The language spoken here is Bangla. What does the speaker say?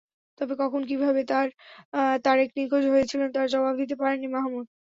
তবে কখন, কীভাবে তারেক নিখোঁজ হয়েছিলেন, তার জবাব দিতে পারেননি মাহমুদ।